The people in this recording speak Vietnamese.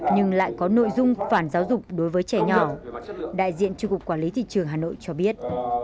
nhưng lại có nội dung phản giáo dục đối với trẻ nhỏ đại diện cho cục quản lý thị trường hà nội cho biết